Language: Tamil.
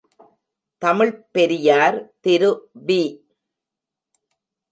தமிழ்ப் பெரியார் திரு வி.